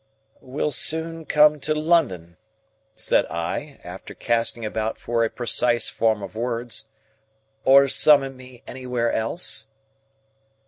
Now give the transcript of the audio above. "Will soon come to London," said I, after casting about for a precise form of words, "or summon me anywhere else?"